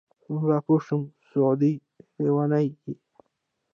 دومره پوه شومه سعوده لېونیه!